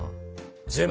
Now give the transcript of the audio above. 全部？